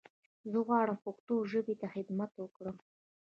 زه غواړم پښتو ژبې ته خدمت وکړم.